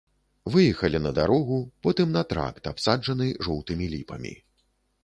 Выехалі на дарогу, потым на тракт, абсаджаны жоўтымі ліпамі.